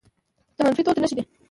د منفي دود نښې دي